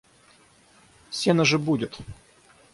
Сено же будет!